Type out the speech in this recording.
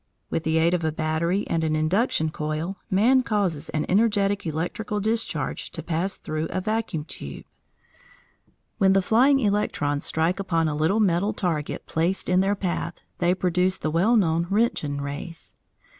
With the aid of a battery and an induction coil, man causes an energetic electrical discharge to pass through a vacuum tube. When the flying electrons strike upon a little metal target placed in their path, they produce the well known Roentgen rays.